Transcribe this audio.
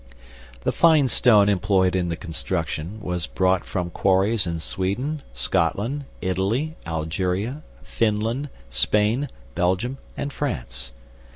"The fine stone employed in the construction was brought from quarries in Sweden, Scotland, Italy, Algeria, Finland, Spain, Belgium and France.